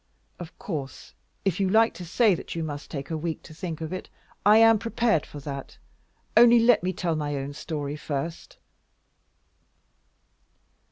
Of course, if you like to say that you must take a week to think of it, I am prepared for that. Only let me tell my own story first."